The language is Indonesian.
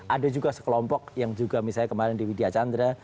ada juga sekelompok yang juga misalnya kemarin di widya chandra